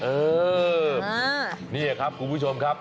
เออนี่ครับคุณผู้ชมครับ